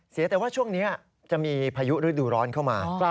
แต่ว่าช่วงนี้จะมีพายุฤดูร้อนเข้ามา